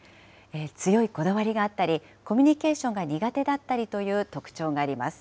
強いこだわりがあったり、コミュニケーションが苦手だったりという特徴があります。